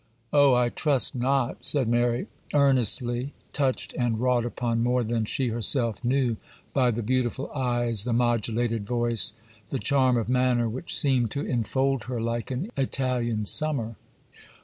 'Oh, I trust not!' said Mary, earnestly, touched and wrought upon more than she herself knew by the beautiful eyes, the modulated voice, the charm of manner, which seemed to enfold her like an Italian summer.